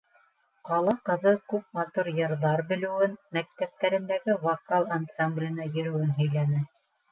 Ҡала ҡыҙы күп матур йырҙар белеүен, мәктәптәрендәге вокал ансамбленә йөрөүен һөйләне.